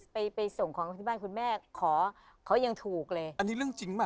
ไปไปส่งของที่บ้านคุณแม่ขอเขายังถูกเลยอันนี้เรื่องจริงป่